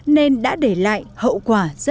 nên đã để lại hậu quả do lặn